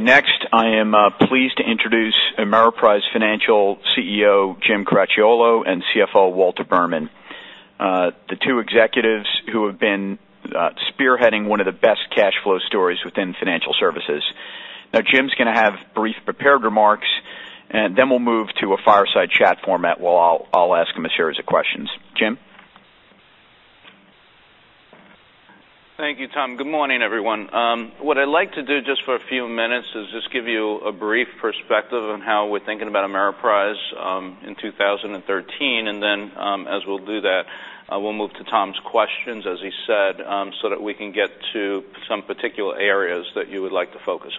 Next, I am pleased to introduce Ameriprise Financial CEO, Jim Cracchiolo, and CFO, Walter Berman. The two executives who have been spearheading one of the best cash flow stories within financial services. Jim's going to have brief prepared remarks, then we'll move to a fireside chat format where I'll ask him a series of questions. Jim? Thank you, Tom. Good morning, everyone. What I'd like to do just for a few minutes is just give you a brief perspective on how we're thinking about Ameriprise in 2013. Then, as we'll do that, we'll move to Tom's questions, as he said, so that we can get to some particular areas that you would like to focus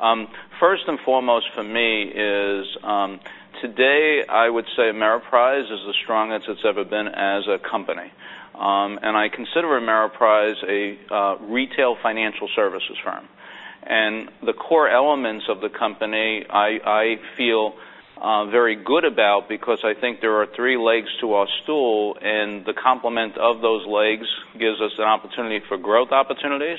on. First and foremost for me is, today I would say Ameriprise is the strongest it's ever been as a company. I consider Ameriprise a retail financial services firm. The core elements of the company, I feel very good about because I think there are three legs to our stool, the complement of those legs gives us an opportunity for growth opportunities,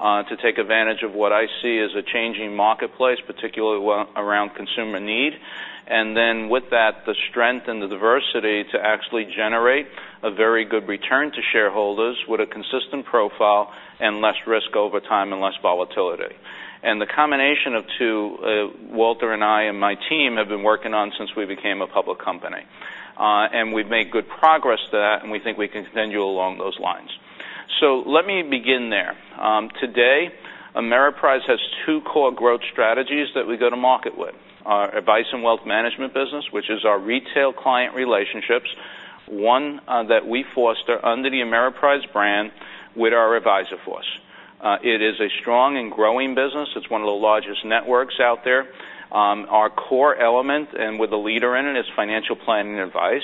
to take advantage of what I see as a changing marketplace, particularly around consumer need. Then with that, the strength and the diversity to actually generate a very good return to shareholders with a consistent profile and less risk over time and less volatility. The combination of two, Walter and I, and my team have been working on since we became a public company. We've made good progress to that, we think we can continue along those lines. Let me begin there. Today, Ameriprise has two core growth strategies that we go to market with. Our Advice and Wealth Management business, which is our retail client relationships, one that we foster under the Ameriprise brand with our advisor force. It is a strong and growing business. It's one of the largest networks out there. Our core element, with a leader in it, is financial planning advice.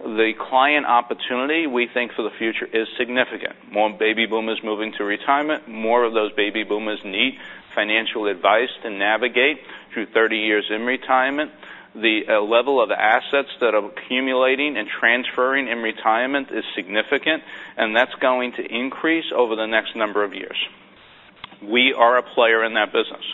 The client opportunity, we think for the future is significant. More baby boomers moving to retirement, more of those baby boomers need financial advice to navigate through 30 years in retirement. The level of assets that are accumulating and transferring in retirement is significant, that's going to increase over the next number of years. We are a player in that business.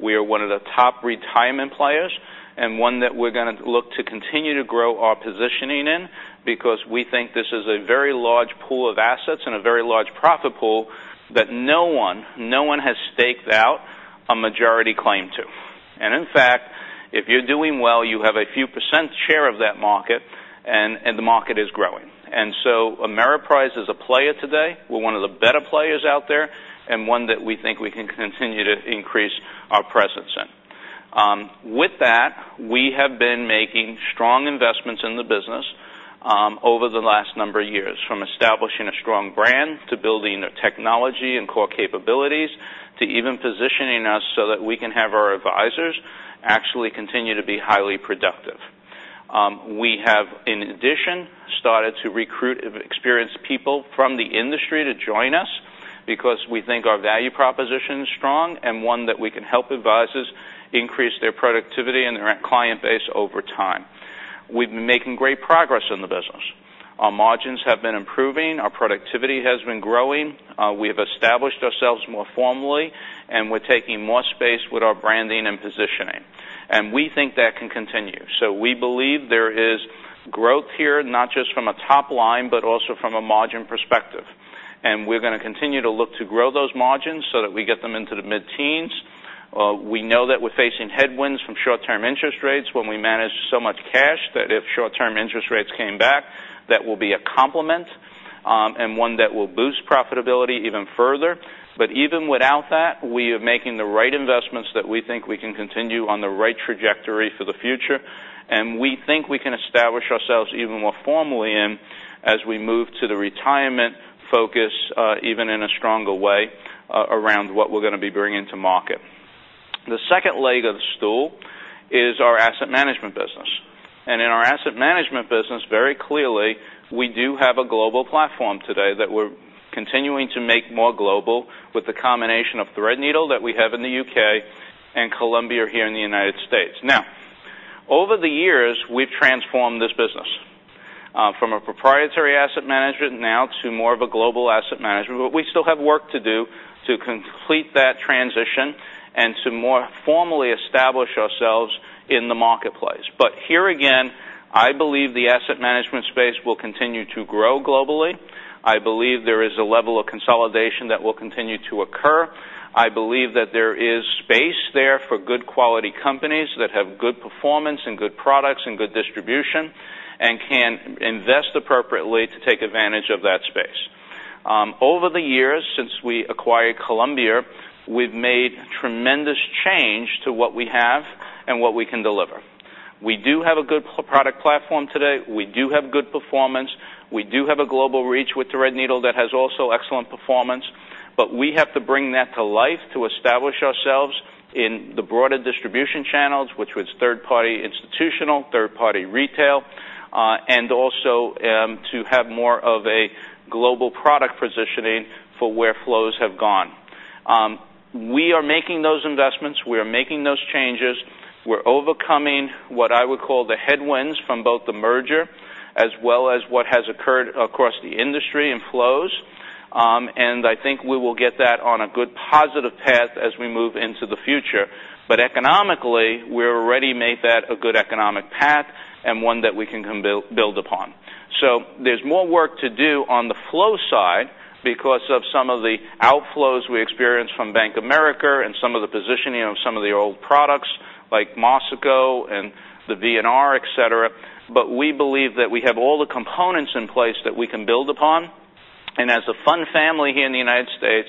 We are one of the top retirement players and one that we're going to look to continue to grow our positioning in because we think this is a very large pool of assets and a very large profit pool that no one has staked out a majority claim to. In fact, if you're doing well, you have a few % share of that market, the market is growing. Ameriprise is a player today. We're one of the better players out there and one that we think we can continue to increase our presence in. With that, we have been making strong investments in the business over the last number of years, from establishing a strong brand to building the technology and core capabilities to even positioning us so that we can have our advisors actually continue to be highly productive. We have, in addition, started to recruit experienced people from the industry to join us because we think our value proposition is strong and one that we can help advisors increase their productivity and their client base over time. We've been making great progress in the business. Our margins have been improving. Our productivity has been growing. We have established ourselves more formally, and we're taking more space with our branding and positioning. We think that can continue. We believe there is growth here, not just from a top line, but also from a margin perspective. We're going to continue to look to grow those margins so that we get them into the mid-teens. We know that we're facing headwinds from short-term interest rates when we manage so much cash that if short-term interest rates came back, that will be a complement, and one that will boost profitability even further. Even without that, we are making the right investments that we think we can continue on the right trajectory for the future. We think we can establish ourselves even more formally in as we move to the retirement focus, even in a stronger way around what we're going to be bringing to market. The second leg of the stool is our asset management business. In our asset management business, very clearly, we do have a global platform today that we're continuing to make more global with the combination of Threadneedle that we have in the U.K. and Columbia here in the United States. Now, over the years, we've transformed this business from a proprietary asset management now to more of a global asset management. We still have work to do to complete that transition and to more formally establish ourselves in the marketplace. Here again, I believe the asset management space will continue to grow globally. I believe there is a level of consolidation that will continue to occur. I believe that there is space there for good quality companies that have good performance and good products and good distribution and can invest appropriately to take advantage of that space. Over the years since we acquired Columbia, we've made tremendous change to what we have and what we can deliver. We do have a good product platform today. We do have good performance. We do have a global reach with Threadneedle that has also excellent performance. We have to bring that to life to establish ourselves in the broader distribution channels, which was third-party institutional, third-party retail, and also to have more of a global product positioning for where flows have gone. We are making those changes. We're overcoming what I would call the headwinds from both the merger as well as what has occurred across the industry in flows. I think we will get that on a good positive path as we move into the future. Economically, we already made that a good economic path and one that we can build upon. There's more work to do on the flow side because of some of the outflows we experienced from Bank of America and some of the positioning of some of the old products like Marsico and the V&R, et cetera. We believe that we have all the components in place that we can build upon. As a fund family here in the U.S.,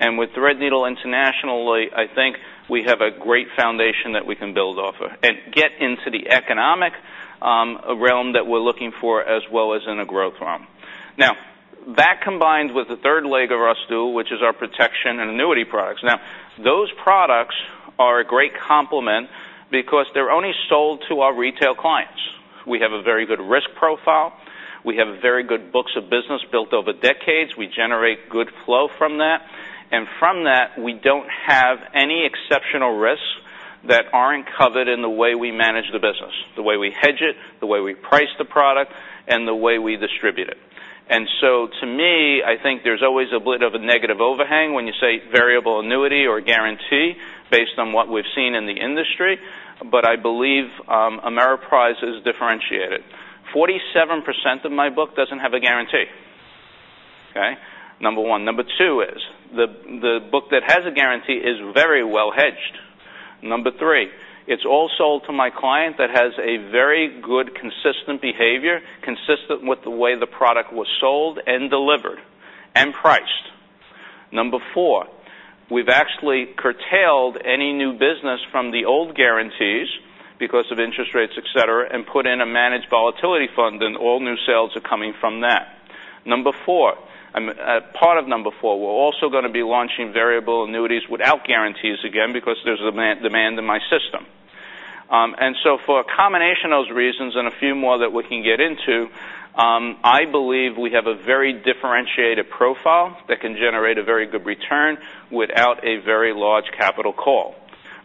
and with Threadneedle internationally, I think we have a great foundation that we can build off of and get into the economic realm that we're looking for, as well as in a growth realm. That combines with the third leg of our stool, which is our protection and annuity products. Those products are a great complement because they're only sold to our retail clients. We have a very good risk profile. We have very good books of business built over decades. We generate good flow from that. From that, we don't have any exceptional risks that aren't covered in the way we manage the business, the way we hedge it, the way we price the product, and the way we distribute it. To me, I think there's always a bit of a negative overhang when you say variable annuity or guarantee based on what we've seen in the industry. I believe Ameriprise is differentiated. 47% of my book doesn't have a guarantee. Okay? Number 1. Number 2 is, the book that has a guarantee is very well hedged. Number 3, it's all sold to my client that has a very good, consistent behavior, consistent with the way the product was sold and delivered and priced. Number 4, we've actually curtailed any new business from the old guarantees because of interest rates, et cetera, and put in a Managed Volatility Fund, and all new sales are coming from that. Part of Number 4, we're also going to be launching variable annuities without guarantees again because there's demand in my system. For a combination of those reasons and a few more that we can get into, I believe we have a very differentiated profile that can generate a very good return without a very large capital call.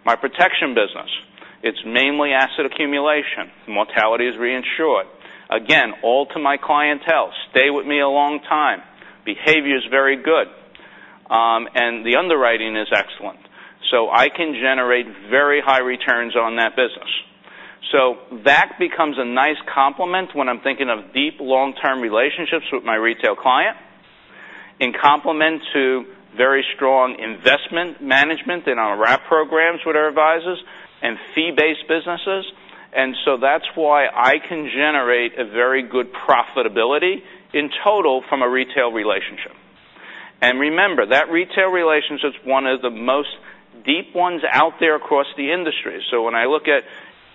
My protection business, it's mainly asset accumulation. Mortality is reinsured. Again, all to my clientele, stay with me a long time. Behavior is very good. The underwriting is excellent. I can generate very high returns on that business. That becomes a nice complement when I'm thinking of deep, long-term relationships with my retail client in complement to very strong investment management in our wrap programs with our advisors and fee-based businesses. That's why I can generate a very good profitability in total from a retail relationship. Remember, that retail relationship is one of the most deep ones out there across the industry. When I look at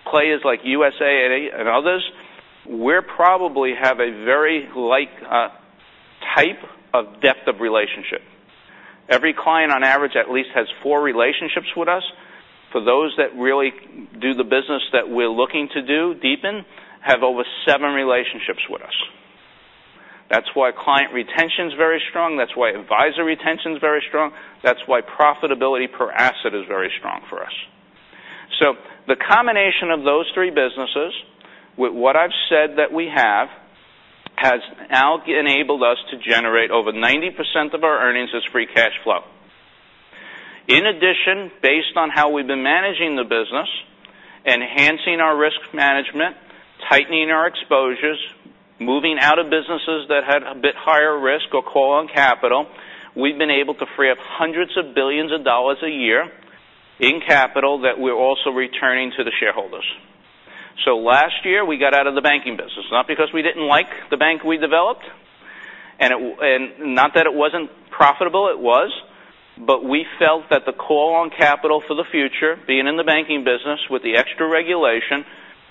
players like USAA and others, we probably have a very like type of depth of relationship. Every client, on average, at least, has four relationships with us. For those that really do the business that we're looking to do deep in, have over seven relationships with us. That's why client retention is very strong. That's why advisor retention is very strong. That's why profitability per asset is very strong for us. The combination of those three businesses with what I've said that we have, has now enabled us to generate over 90% of our earnings as free cash flow. In addition, based on how we've been managing the business, enhancing our risk management, tightening our exposures, moving out of businesses that had a bit higher risk or call on capital, we've been able to free up hundreds of billions of dollars a year in capital that we're also returning to the shareholders. Last year, we got out of the banking business, not because we didn't like the bank we developed, and not that it wasn't profitable, it was, but we felt that the call on capital for the future, being in the banking business with the extra regulation,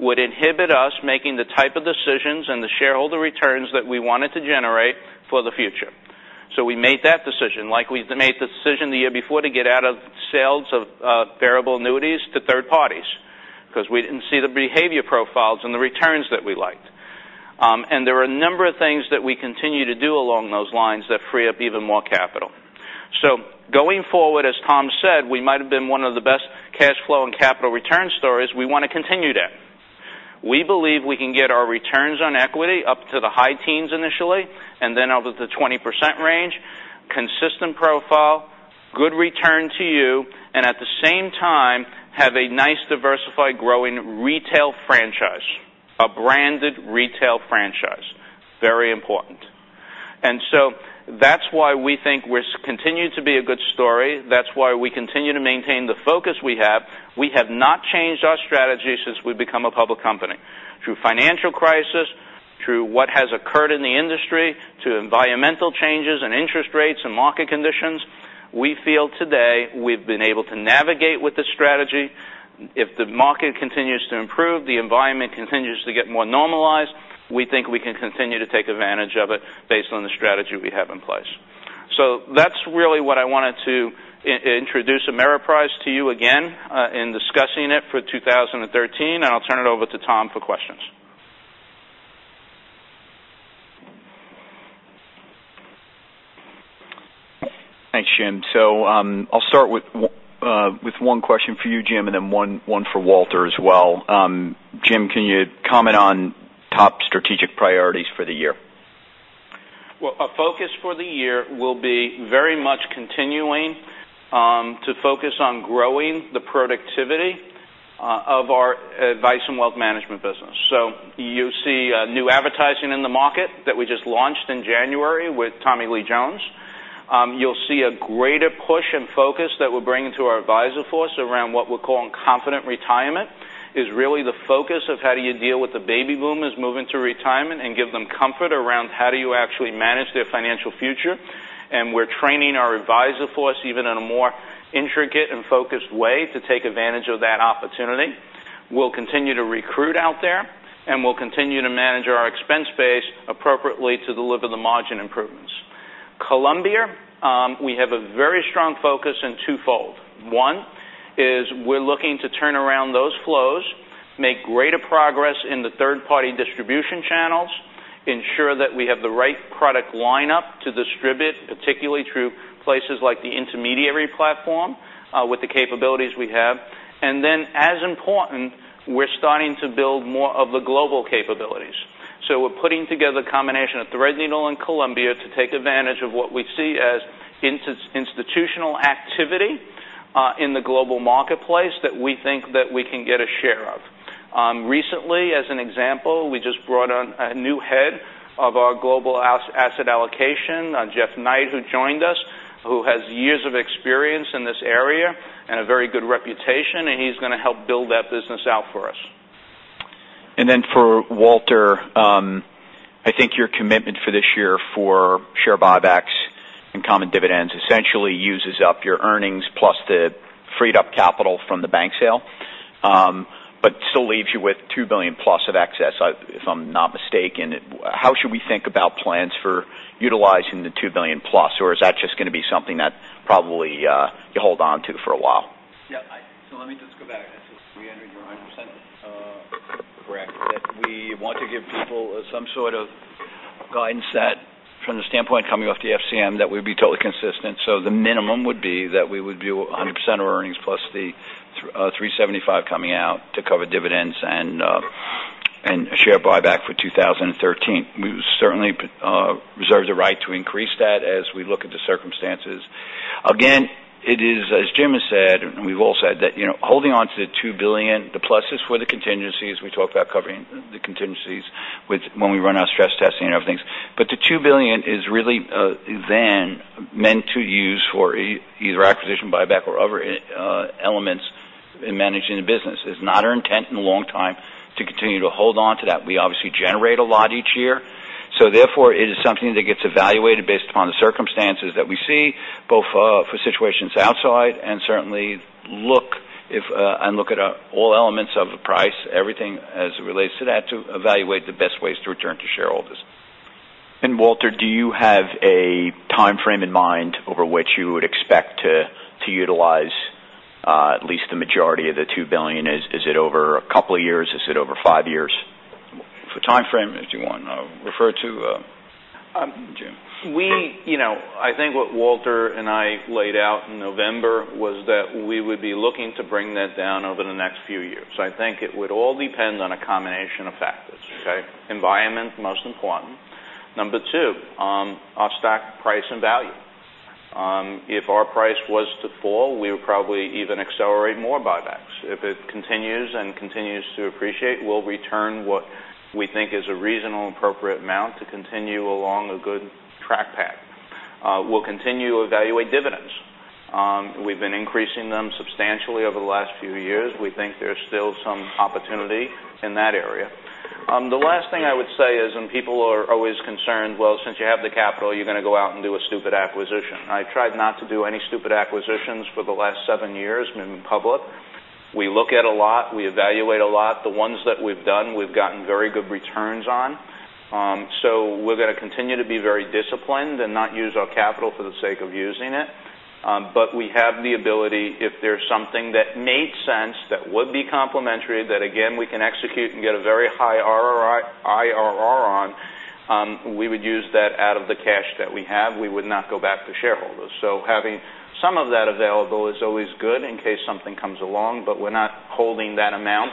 would inhibit us making the type of decisions and the shareholder returns that we wanted to generate for the future. We made that decision, like we made the decision the year before to get out of sales of variable annuities to third parties because we didn't see the behavior profiles and the returns that we liked. There are a number of things that we continue to do along those lines that free up even more capital. Going forward, as Tom said, we might have been one of the best cash flow and capital return stories. We want to continue that. We believe we can get our returns on equity up to the high teens initially, and then over the 20% range, consistent profile, good return to you, and at the same time, have a nice, diversified, growing retail franchise, a branded retail franchise. Very important. That's why we think we continue to be a good story. That's why we continue to maintain the focus we have. We have not changed our strategy since we've become a public company. Through financial crisis, through what has occurred in the industry, to environmental changes and interest rates and market conditions, we feel today we've been able to navigate with this strategy. If the market continues to improve, the environment continues to get more normalized, we think we can continue to take advantage of it based on the strategy we have in place. That's really what I wanted to introduce Ameriprise to you again in discussing it for 2013, and I'll turn it over Thanks, Jim. I'll start with one question for you, Jim, and then one for Walter as well. Jim, can you comment on top strategic priorities for the year? Well, our focus for the year will be very much continuing to focus on growing the productivity of our Advice & Wealth Management business. You'll see new advertising in the market that we just launched in January with Tommy Lee Jones. You'll see a greater push and focus that we're bringing to our advisor force around what we're calling Confident Retirement, is really the focus of how do you deal with the baby boomers moving to retirement and give them comfort around how do you actually manage their financial future. We're training our advisor force even in a more intricate and focused way to take advantage of that opportunity. We'll continue to recruit out there, and we'll continue to manage our expense base appropriately to deliver the margin improvements. Columbia, we have a very strong focus in twofold. One is we're looking to turn around those flows, make greater progress in the third-party distribution channels, ensure that we have the right product lineup to distribute, particularly through places like the intermediary platform with the capabilities we have. As important, we're starting to build more of the global capabilities. We're putting together a combination of Threadneedle and Columbia to take advantage of what we see as institutional activity in the global marketplace that we think that we can get a share of. Recently, as an example, we just brought on a new head of our global asset allocation, Jeff Knight, who joined us, who has years of experience in this area and a very good reputation, and he's going to help build that business out for us. For Walter, I think your commitment for this year for share buybacks and common dividends essentially uses up your earnings plus the freed up capital from the bank sale. Still leaves you with $2 billion plus of excess, if I'm not mistaken. How should we think about plans for utilizing the $2 billion plus, or is that just going to be something that probably you hold on to for a while? Yeah. Let me just go back. Just so we understand, you're 100% correct that we want to give people some sort of guidance that from the standpoint coming off the CCAR, that we'd be totally consistent. The minimum would be that we would do 100% of earnings plus the $375 coming out to cover dividends and share buyback for 2013. We certainly reserve the right to increase that as we look at the circumstances. Again, it is, as Jim has said, and we've all said that, holding on to the $2 billion, the pluses for the contingencies we talked about covering the contingencies with when we run our stress testing and other things. The $2 billion is really then meant to use for either acquisition, buyback, or other elements in managing the business. It's not our intent in a long time to continue to hold on to that. We obviously generate a lot each year, therefore it is something that gets evaluated based upon the circumstances that we see, both for situations outside and certainly look at all elements of the price, everything as it relates to that, to evaluate the best ways to return to shareholders. Walter, do you have a timeframe in mind over which you would expect to utilize at least the majority of the $2 billion? Is it over a couple of years? Is it over five years? For timeframe, if you want refer to Jim. I think what Walter and I laid out in November was that we would be looking to bring that down over the next few years. I think it would all depend on a combination of factors. Okay? Environment, most important. Number two, our stock price and value. If our price was to fall, we would probably even accelerate more buybacks. If it continues and continues to appreciate, we'll return what we think is a reasonable, appropriate amount to continue along a good track path. We'll continue to evaluate dividends. We've been increasing them substantially over the last few years. We think there's still some opportunity in that area. The last thing I would say is when people are always concerned, well, since you have the capital, you're going to go out and do a stupid acquisition. I tried not to do any stupid acquisitions for the last seven years we've been public. We look at a lot. We evaluate a lot. The ones that we've done, we've gotten very good returns on. We're going to continue to be very disciplined and not use our capital for the sake of using it. We have the ability, if there's something that made sense, that would be complementary, that again, we can execute and get a very high IRR on, we would use that out of the cash that we have. We would not go back to shareholders. Having some of that available is always good in case something comes along, but we're not holding that amount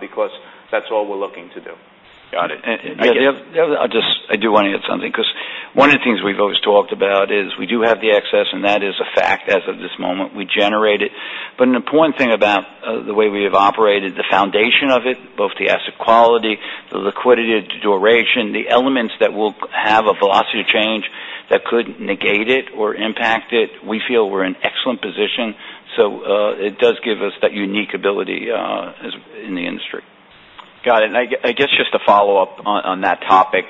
because that's all we're looking to do. Got it. I do want to add something because one of the things we've always talked about is we do have the excess, and that is a fact as of this moment. We generate it. An important thing about the way we have operated the foundation of it, both the asset quality, the liquidity, the duration, the elements that will have a velocity change that could negate it or impact it, we feel we're in excellent position. It does give us that unique ability in the industry. Got it. I guess just to follow up on that topic,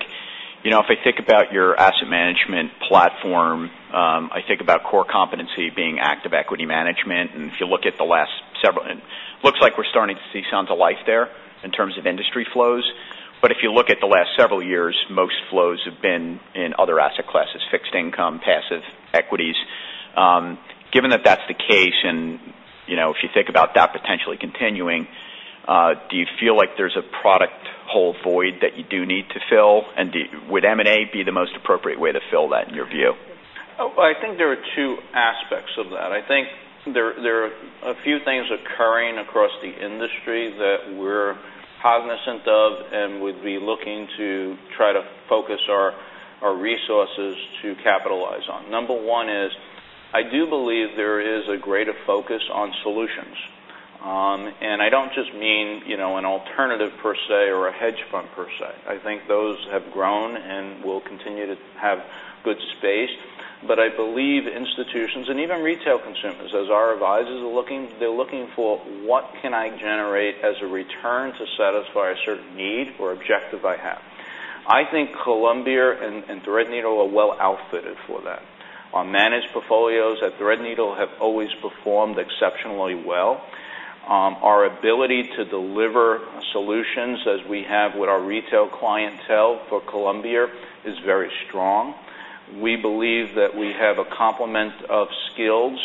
if I think about your asset management platform, I think about core competency being active equity management. If you look at the last several, looks like we're starting to see signs of life there in terms of industry flows. If you look at the last several years, most flows have been in other asset classes, fixed income, passive equities. Given that that's the case and if you think about that potentially continuing Do you feel like there's a product hole void that you do need to fill? Would M&A be the most appropriate way to fill that, in your view? I think there are two aspects of that. I think there are a few things occurring across the industry that we're cognizant of and would be looking to try to focus our resources to capitalize on. Number one is, I do believe there is a greater focus on solutions. I don't just mean an alternative per se, or a hedge fund per se. I think those have grown and will continue to have good space. I believe institutions and even retail consumers, as our advisors are looking, they're looking for what can I generate as a return to satisfy a certain need or objective I have? I think Columbia and Threadneedle are well outfitted for that. Our managed portfolios at Threadneedle have always performed exceptionally well. Our ability to deliver solutions, as we have with our retail clientele for Columbia, is very strong. We believe that we have a complement of skills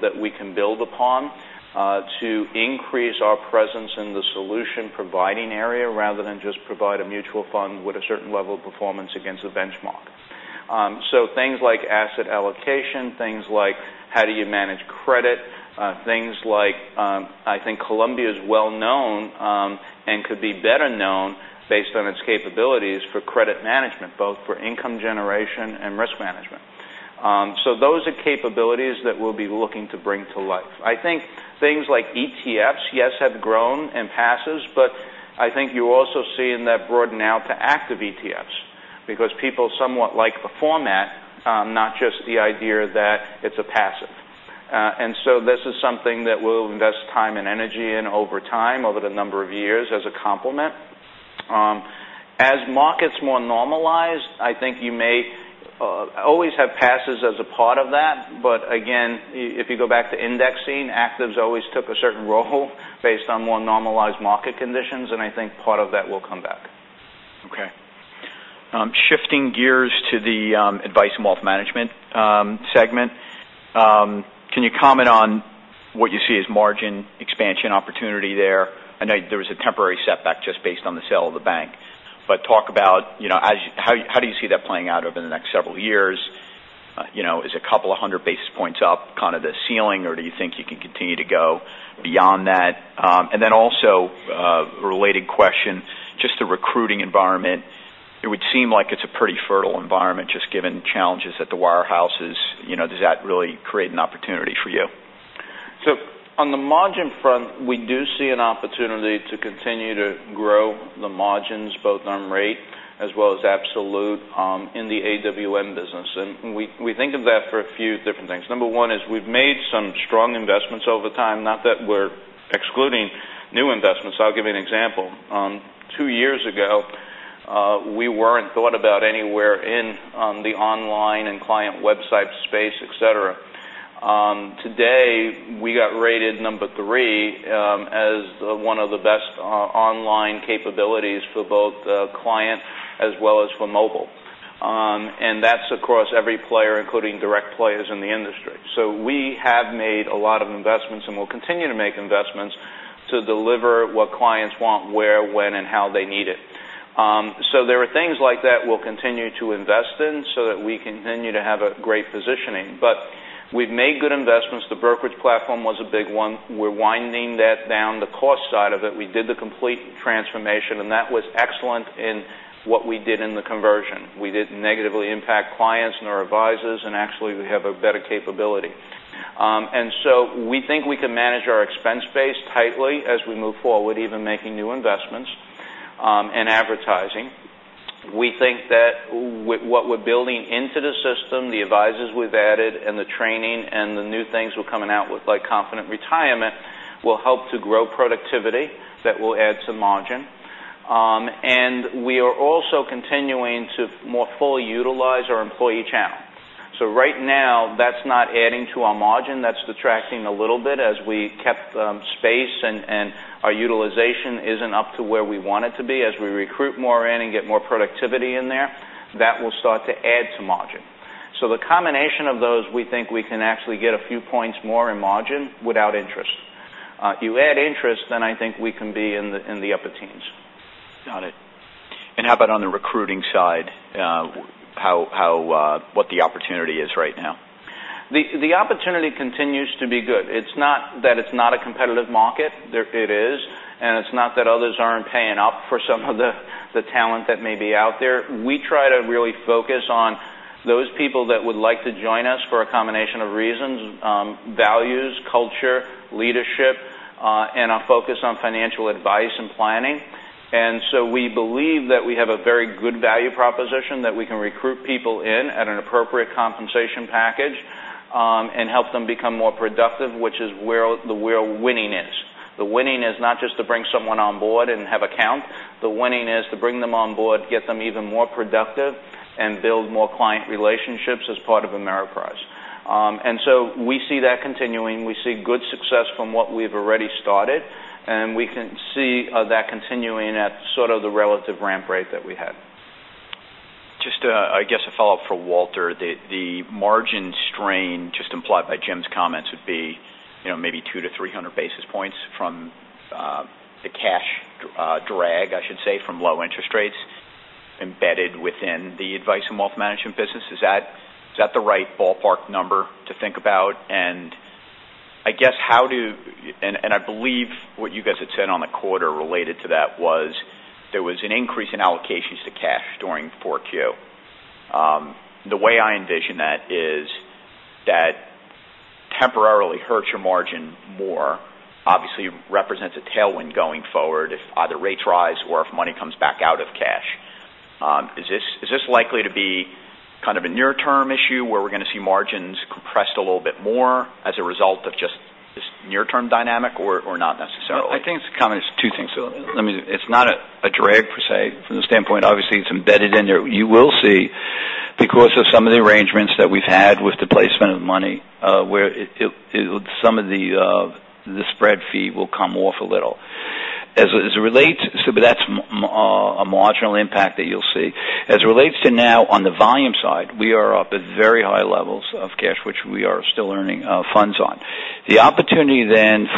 that we can build upon to increase our presence in the solution providing area, rather than just provide a mutual fund with a certain level of performance against a benchmark. Things like asset allocation, things like how do you manage credit? I think Columbia's well-known, and could be better known based on its capabilities for credit management, both for income generation and risk management. Those are capabilities that we'll be looking to bring to life. I think things like ETFs, yes, have grown and passive, I think you also see in that broaden out to active ETFs because people somewhat like the format, not just the idea that it's a passive. This is something that we'll invest time and energy in over time, over the number of years as a complement. As markets more normalize, I think you may always have passive as a part of that, again, if you go back to indexing, actives always took a certain role based on more normalized market conditions, I think part of that will come back. Okay. Shifting gears to the Advice & Wealth Management segment. Can you comment on what you see as margin expansion opportunity there? I know there was a temporary setback just based on the sale of the bank, talk about how do you see that playing out over the next several years? Is a couple of 100 basis points up the ceiling, or do you think you can continue to go beyond that? Also, a related question, just the recruiting environment. It would seem like it's a pretty fertile environment, just given challenges at the wire houses. Does that really create an opportunity for you? On the margin front, we do see an opportunity to continue to grow the margins, both on rate as well as absolute in the AWM business. We think of that for a few different things. Number 1 is we've made some strong investments over time, not that we're excluding new investments. I'll give you an example. Two years ago, we weren't thought about anywhere in the online and client website space, et cetera. Today, we got rated number 3 as one of the best online capabilities for both client as well as for mobile. That's across every player, including direct players in the industry. We have made a lot of investments, and we'll continue to make investments to deliver what clients want, where, when, and how they need it. There are things like that we'll continue to invest in so that we continue to have a great positioning. We've made good investments. The brokerage platform was a big one. We're winding that down the cost side of it. We did the complete transformation, and that was excellent in what we did in the conversion. We didn't negatively impact clients nor advisors, and actually, we have a better capability. We think we can manage our expense base tightly as we move forward, even making new investments and advertising. We think that what we're building into the system, the advisors we've added, and the training, and the new things we're coming out with, like Confident Retirement, will help to grow productivity that will add to margin. We are also continuing to more fully utilize our employee channel. Right now, that's not adding to our margin. That's detracting a little bit as we kept space, and our utilization isn't up to where we want it to be. As we recruit more in and get more productivity in there, that will start to add to margin. The combination of those, we think we can actually get a few points more in margin without interest. You add interest, then I think we can be in the upper teens. Got it. How about on the recruiting side? What the opportunity is right now. The opportunity continues to be good. It's not that it's not a competitive market. It is. It's not that others aren't paying up for some of the talent that may be out there. We try to really focus on those people that would like to join us for a combination of reasons, values, culture, leadership, and a focus on financial advice and planning. We believe that we have a very good value proposition that we can recruit people in at an appropriate compensation package, and help them become more productive, which is where the winning is. The winning is not just to bring someone on board and have account. The winning is to bring them on board, get them even more productive, and build more client relationships as part of Ameriprise. We see that continuing. We see good success from what we've already started, we can see that continuing at sort of the relative ramp rate that we had. Just, I guess a follow-up for Walter. The margin strain just implied by Jim's comments would be maybe 200-300 basis points from the cash drag, I should say, from low interest rates embedded within the Advice & Wealth Management business. Is that the right ballpark number to think about? I believe what you guys had said on the quarter related to that was there was an increase in allocations to cash during 4Q. The way I envision that is that temporarily hurts your margin more. Obviously, represents a tailwind going forward if either rates rise or if money comes back out of cash. Is this likely to be kind of a near-term issue where we're going to see margins compressed a little bit more as a result of just this near-term dynamic, or not necessarily? I think it's kind of two things. It's not a drag, per se, from the standpoint, obviously, it's embedded in there. You will see because of some of the arrangements that we've had with the placement of money, where some of the spread fee will come off a little. That's a marginal impact that you'll see. As it relates to now on the volume side, we are up at very high levels of cash, which we are still earning funds on. The opportunity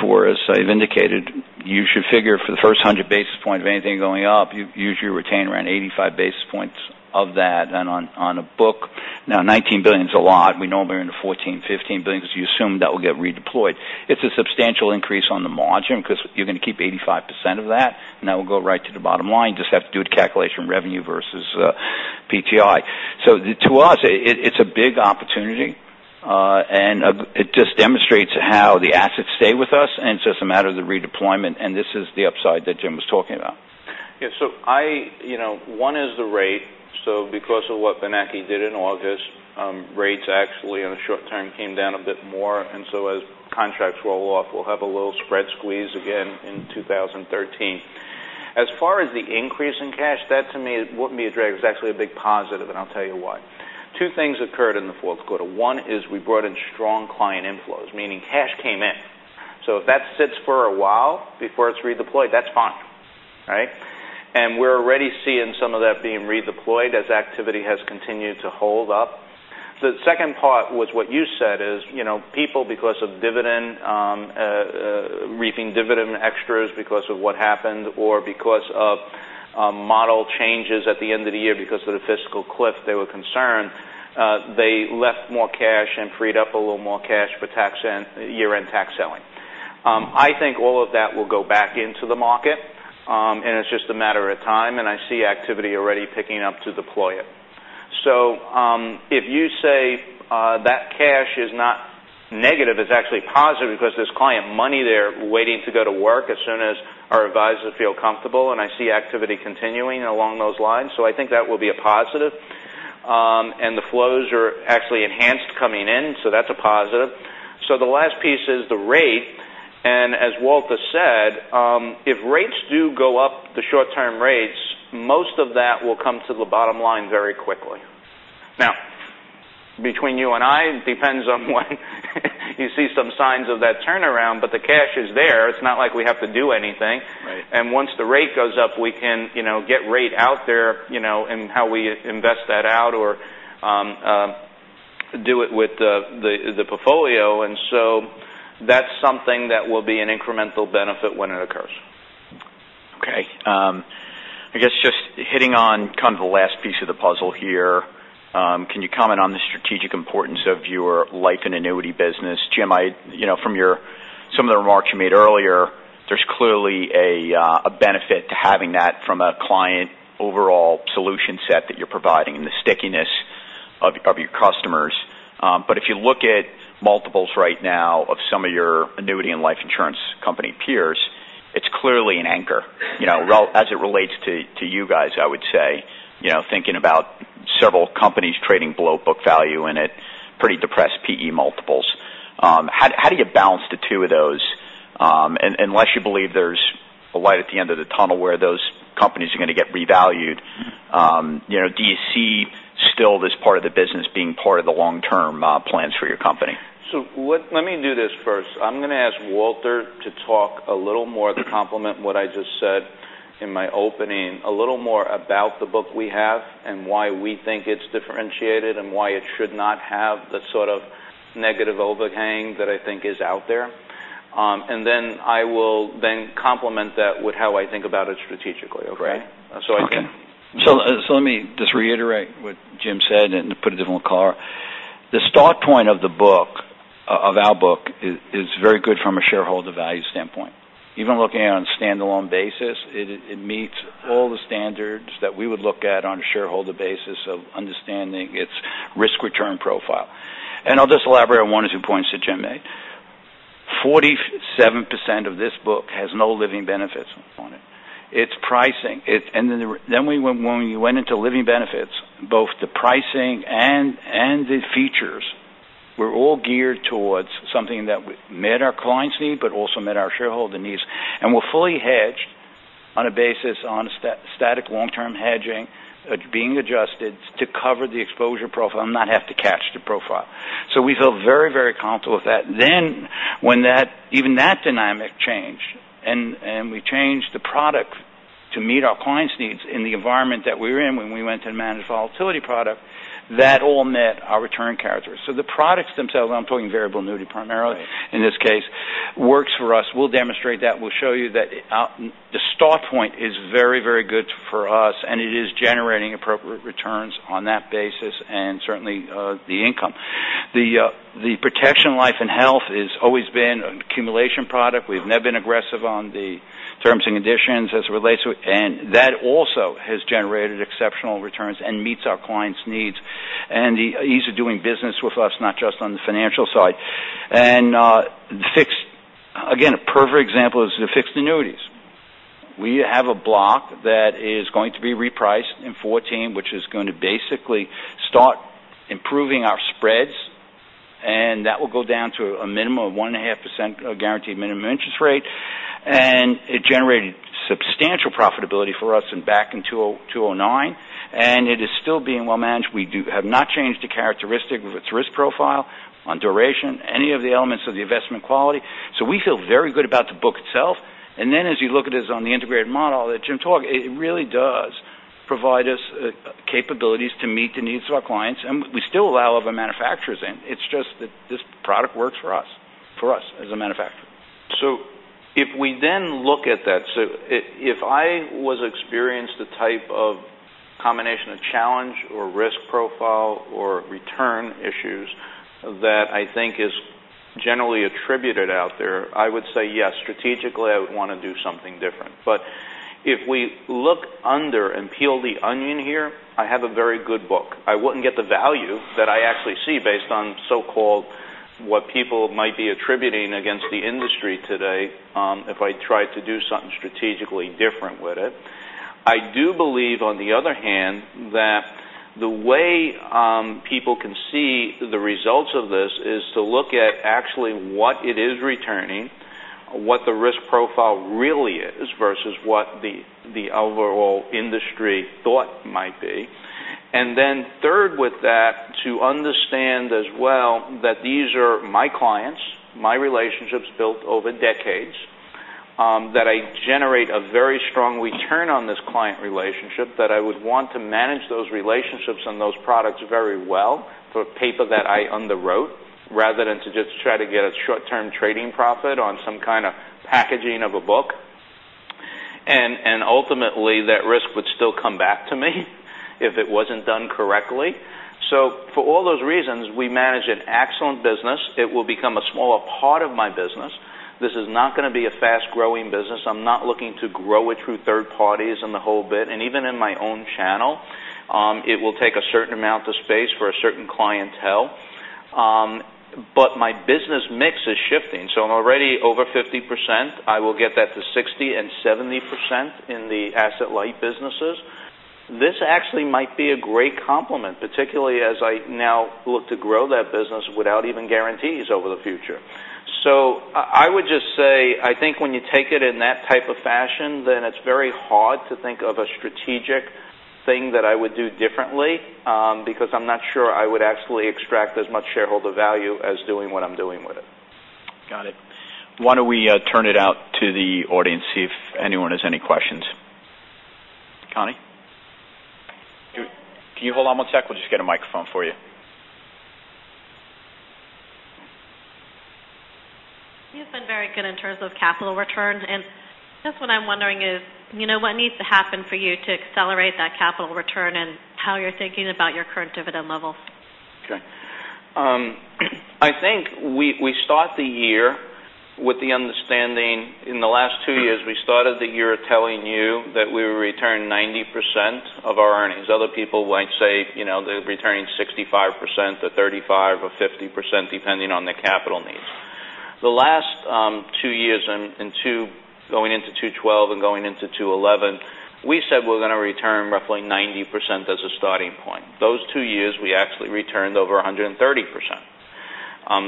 for us, I've indicated, you should figure for the first 100 basis points of anything going up, you usually retain around 85 basis points of that. On a book, now $19 billion is a lot. We know we're into $14 billion-$15 billion, because you assume that will get redeployed. It's a substantial increase on the margin because you're going to keep 85% of that, and that will go right to the bottom line. Just have to do with calculation revenue versus PTI. To us, it's a big opportunity. It just demonstrates how the assets stay with us, and it's just a matter of the redeployment, and this is the upside that Jim was talking about. Yeah. One is the rate. Because of what Bernanke did in August, rates actually in the short term came down a bit more. As contracts roll off, we'll have a little spread squeeze again in 2013. As far as the increase in cash, that to me wouldn't be a drag. It's actually a big positive, and I'll tell you why. Two things occurred in the fourth quarter. One is we brought in strong client inflows, meaning cash came in. If that sits for a while before it's redeployed, that's fine. Right? We're already seeing some of that being redeployed as activity has continued to hold up. The second part was what you said is people because of dividend, reaping dividend extras because of what happened, or because of model changes at the end of the year because of the fiscal cliff, they were concerned. They left more cash and freed up a little more cash for year-end tax selling. I think all of that will go back into the market, and it's just a matter of time, and I see activity already picking up to deploy it. If you say that cash is not negative, it's actually positive because there's client money there waiting to go to work as soon as our advisors feel comfortable. I see activity continuing along those lines, I think that will be a positive. The flows are actually enhanced coming in, that's a positive. The last piece is the rate. As Walter said, if rates do go up, the short-term rates, most of that will come to the bottom line very quickly. Now, between you and I, it depends on when you see some signs of that turnaround. The cash is there. It's not like we have to do anything. Right. Once the rate goes up, we can get rate out there and how we invest that out or do it with the portfolio. That's something that will be an incremental benefit when it occurs. Okay. I guess just hitting on kind of the last piece of the puzzle here. Can you comment on the strategic importance of your life and annuity business? Jim, from some of the remarks you made earlier, there's clearly a benefit to having that from a client overall solution set that you're providing and the stickiness of your customers. If you look at multiples right now of some of your annuity and life insurance company peers, it's clearly an anchor as it relates to you guys, I would say. Thinking about several companies trading below book value and at pretty depressed P.E. multiples. How do you balance the two of those? Unless you believe there's a light at the end of the tunnel where those companies are going to get revalued. Do you see still this part of the business being part of the long-term plans for your company? Let me do this first. I'm going to ask Walter to talk a little more to complement what I just said in my opening, a little more about the book we have and why we think it's differentiated, and why it should not have the sort of negative overhang that I think is out there. I will then complement that with how I think about it strategically. Okay? Great. Okay. Let me just reiterate what Jim said and put a different color. The start point of our book is very good from a shareholder value standpoint. Even looking at it on a standalone basis, it meets all the standards that we would look at on a shareholder basis of understanding its risk-return profile. I'll just elaborate on one or two points that Jim made. 47% of this book has no living benefits on it. It's pricing. When we went into living benefits, both the pricing and the features were all geared towards something that met our clients' need but also met our shareholder needs. We're fully hedged on a basis on a static long-term hedging being adjusted to cover the exposure profile and not have to catch. We feel very, very comfortable with that. When even that dynamic changed, we changed the product to meet our clients' needs in the environment that we were in when we went to the Managed Volatility product, that all met our return characteristics. The products themselves, I'm talking variable annuity primarily in this case, works for us. We'll demonstrate that. We'll show you that the start point is very, very good for us, and it is generating appropriate returns on that basis, and certainly, the income. The protection life and health is always been an accumulation product. We've never been aggressive on the terms and conditions as it relates to it, that also has generated exceptional returns and meets our clients' needs and the ease of doing business with us, not just on the financial side. Again, a perfect example is the fixed annuities. We have a block that is going to be repriced in 2014, which is going to basically start improving our spreads, and that will go down to a minimum of one and a half % guaranteed minimum interest rate. It generated substantial profitability for us back in 2009, and it is still being well managed. We have not changed the characteristic of its risk profile on duration, any of the elements of the investment quality. We feel very good about the book itself. As you look at us on the integrated model that Jim talked, it really does provide us capabilities to meet the needs of our clients. We still allow other manufacturers in. It's just that this product works for us as a manufacturer. If we then look at that, if I was experienced the type of combination of challenge or risk profile or return issues that I think is generally attributed out there, I would say, yes, strategically, I would want to do something different. If we look under and peel the onion here, I have a very good book. I wouldn't get the value that I actually see based on so-called what people might be attributing against the industry today, if I tried to do something strategically different with it. I do believe, on the other hand, that the way people can see the results of this is to look at actually what it is returning, what the risk profile really is versus what the overall industry thought might be. Third with that, to understand as well that these are my clients, my relationships built over decades, that I generate a very strong return on this client relationship, that I would want to manage those relationships and those products very well for paper that I underwrote, rather than to just try to get a short-term trading profit on some kind of packaging of a book. Ultimately, that risk would still come back to me if it wasn't done correctly. For all those reasons, we manage an excellent business. It will become a smaller part of my business. This is not going to be a fast-growing business. I'm not looking to grow it through third parties and the whole bit. Even in my own channel, it will take a certain amount of space for a certain clientele. My business mix is shifting. I'm already over 50%. I will get that to 60% and 70% in the asset-light businesses. This actually might be a great complement, particularly as I now look to grow that business without even guarantees over the future. I would just say, I think when you take it in that type of fashion, it's very hard to think of a strategic thing that I would do differently because I'm not sure I would actually extract as much shareholder value as doing what I'm doing with it. Got it. Why don't we turn it out to the audience, see if anyone has any questions? Connie? Can you hold on one sec? We'll just get a microphone for you. You've been very good in terms of capital returns. I guess what I'm wondering is, what needs to happen for you to accelerate that capital return and how you're thinking about your current dividend level? Okay. I think we start the year with the understanding, in the last two years, we started the year telling you that we would return 90% of our earnings. Other people might say they're returning 65% to 35% or 50%, depending on their capital needs. The last two years, going into 2012 and going into 2011, we said we're going to return roughly 90% as a starting point. Those two years, we actually returned over 130%.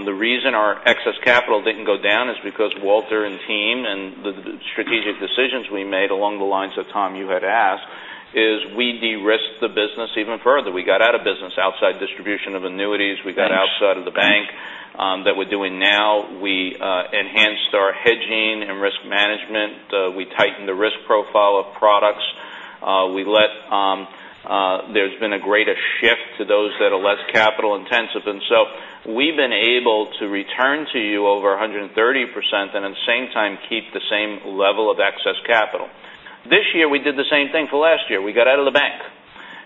The reason our excess capital didn't go down is because Walter and team and the strategic decisions we made along the lines of, Tom, you had asked, is we de-risked the business even further. We got out of business outside distribution of annuities. We got outside of the bank that we're doing now. We enhanced our hedging and risk management. We tightened the risk profile of products. There's been a greater shift to those that are less capital intensive. We've been able to return to you over 130% and at the same time keep the same level of excess capital. This year, we did the same thing for last year. We got out of the bank,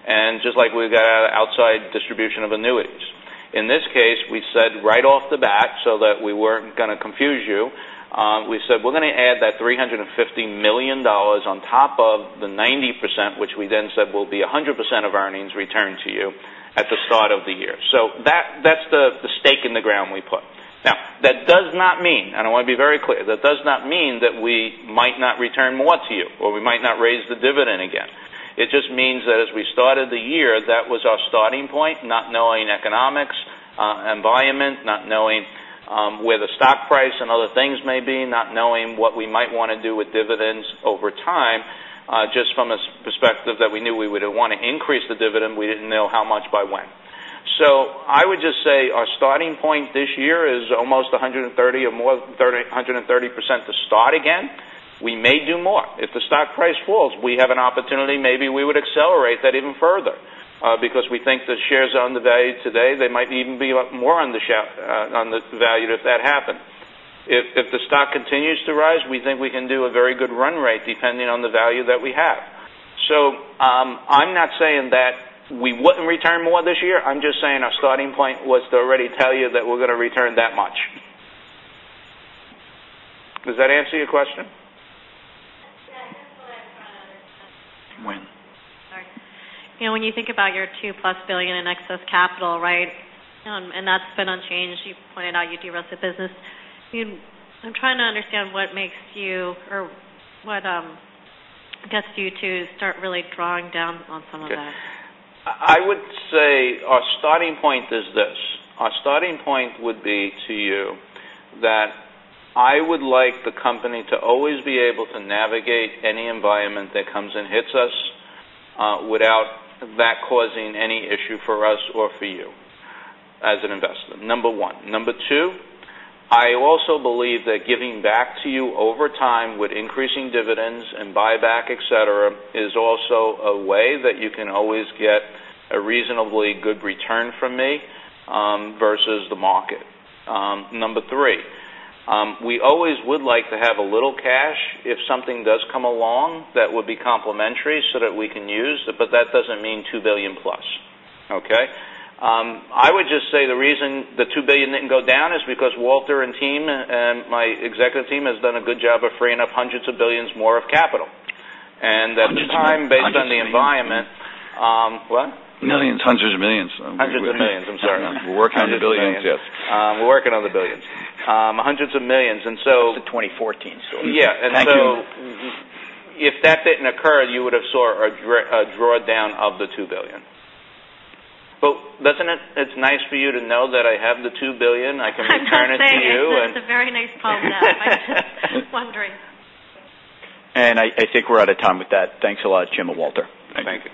and just like we got out of outside distribution of annuities. In this case, we said right off the bat so that we weren't going to confuse you, we said we're going to add that $350 million on top of the 90%, which we then said will be 100% of our earnings returned to you at the start of the year. That's the stake in the ground we put. That does not mean, and I want to be very clear, that does not mean that we might not return more to you, or we might not raise the dividend again. It just means that as we started the year, that was our starting point, not knowing economics, environment, not knowing where the stock price and other things may be, not knowing what we might want to do with dividends over time, just from a perspective that we knew we would want to increase the dividend, we didn't know how much by when. I would just say our starting point this year is almost 130 or more than 130% to start again. We may do more. If the stock price falls, we have an opportunity, maybe we would accelerate that even further because we think the shares are undervalued today. They might even be a lot more undervalued if that happened. If the stock continues to rise, we think we can do a very good run rate depending on the value that we have. I'm not saying that we wouldn't return more this year. I'm just saying our starting point was to already tell you that we're going to return that much. Does that answer your question? Yeah, I just want to throw another question. When? Sorry. When you think about your $2-plus billion in excess capital, that's been unchanged, you pointed out you de-risked the business. I'm trying to understand what makes you or what gets you to start really drawing down on some of that. I would say our starting point is this. Our starting point would be to you that I would like the company to always be able to navigate any environment that comes and hits us without that causing any issue for us or for you as an investor, number 1. Number 2, I also believe that giving back to you over time with increasing dividends and buyback, et cetera, is also a way that you can always get a reasonably good return from me versus the market. Number 3, we always would like to have a little cash if something does come along that would be complementary so that we can use it, but that doesn't mean $2 billion plus. I would just say the reason the $2 billion didn't go down is because Walter and team and my executive team has done a good job of freeing up hundreds of billions more of capital. Hundreds of millions. Based on the environment. What? Millions, hundreds of millions. $hundreds of millions, I'm sorry. We're working on the $billions, yes. We're working on the $billions. $hundreds of millions. This is 2014. Thank you. If that didn't occur, you would have saw a drawdown of the $2 billion. It's nice for you to know that I have the $2 billion. I can return it to you. I'm not saying it's not. It's a very nice problem to have. I'm just wondering. I think we're out of time with that. Thanks a lot, Jim and Walter. Thank you.